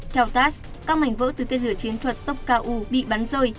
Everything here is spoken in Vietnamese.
theo tass các mảnh vỡ từ tên lửa chiến thuật topka u bị bắn rơi